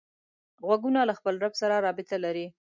غوږونه له خپل رب سره رابط لري